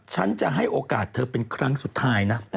ฉันจะให้โอกาสเธอเป็นครั้งสุดท้ายนะ